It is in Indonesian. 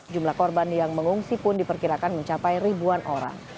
jumlah korban yang mengungsi pun diperkirakan mencapai ribuan orang